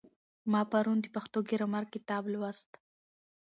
ما پرون د پښتو ګرامر کتاب لوست.